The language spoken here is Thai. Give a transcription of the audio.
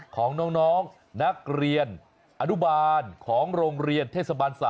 ของน้องนักเรียนอนุบาลของโรงเรียนเทศบาล๓